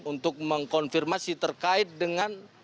untuk mengkonfirmasi terkait dengan